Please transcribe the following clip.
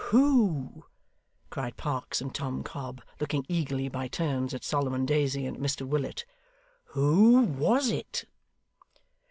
'Who!' cried Parkes and Tom Cobb, looking eagerly by turns at Solomon Daisy and at Mr Willet. 'Who was it?